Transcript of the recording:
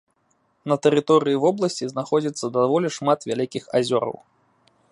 На тэрыторыі вобласці знаходзіцца даволі шмат вялікіх азёраў.